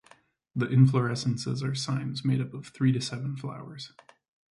The inflorescences are cymes made up of three to seven flowers.